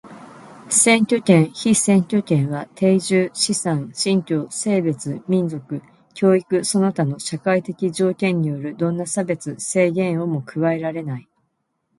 選挙権、被選挙権は定住、資産、信教、性別、民族、教育その他の社会的条件によるどんな差別、制限をも加えられない。